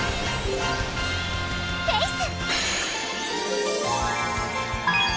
フェイス！